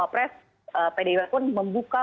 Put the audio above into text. pres pdip pun membuka